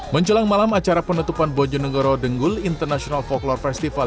menjelang malam acara penutupan bojo nagoro tenggul international folklore festival